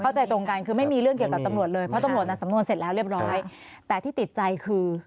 ตรงกันคือไม่มีเรื่องเกี่ยวกับตำรวจเลยเพราะตำรวจน่ะสำนวนเสร็จแล้วเรียบร้อยแต่ที่ติดใจคือ